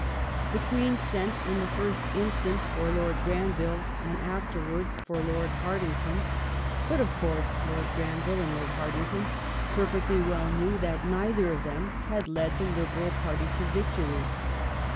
The Queen sent in the first instance for Lord Granville, and afterward for Lord ACHILLES RECALLED Hartington. But, of course, Lord Granville and Lord Hartington perfectly well knew that neither of them had led the Liberal party to victory.